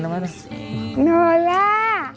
น้องโนล่า